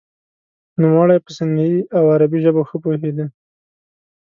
نوموړی په سندهي او عربي ژبو ښه پوهیده.